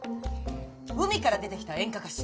海から出てきた演歌歌手。